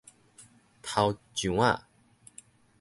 頭上仔